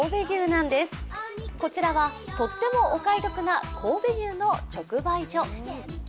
さちらは、とってもお買い得な神戸牛の直売所。